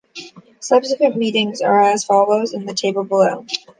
Subsequent meetings are as follows in the table below.